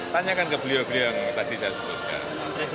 tanyakan ke beliau beliau yang tadi saya sebutkan